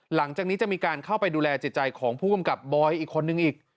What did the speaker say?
หลังจากนี้จะมีการเข้าไปดูแลจิตใจของผู้กำกับบอยอีกคนนึงอีก